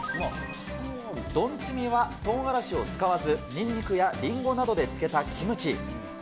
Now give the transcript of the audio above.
ドンチミはとうがらしを使わず、ニンニクやリンゴなどで漬けたキムチ。